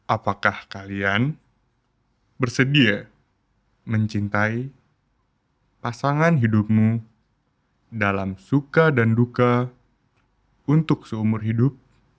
apakah kalian bersedia mencintai pasangan hidupmu dalam suka dan duka untuk seumur hidup